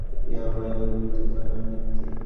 ইহাই হইল বুদ্ধের ধর্মের ভিত্তি।